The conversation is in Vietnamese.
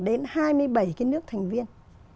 đến hai mươi bảy cái nước thành viên